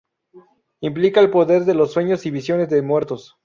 Implica el poder de los sueños y visiones de muertos.